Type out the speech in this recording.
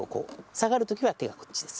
下がる時は手がこっちです。